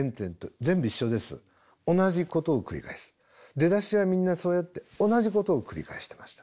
出だしはみんなそうやって同じことを繰り返してました。